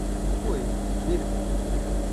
Ҡуй, бир.